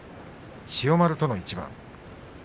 千代丸との一番。